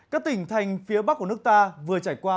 các tỉnh thành phía bắc của nước ta vừa trải qua